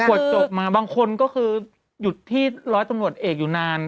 กวดจบมาบางคนยุดที่ร้อยตำรวจเอกอยู่นาน